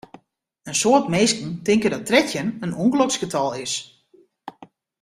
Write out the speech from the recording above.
In soad minsken tinke dat trettjin in ûngeloksgetal is.